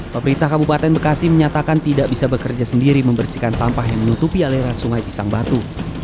pemerintah kabupaten bekasi menyatakan tidak bisa bekerja sendiri membersihkan sampah yang menutupi aliran sungai pisang batu